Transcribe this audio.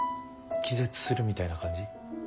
気絶するみたいな感じ？